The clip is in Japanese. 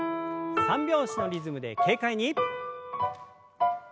三拍子のリズムで軽快に。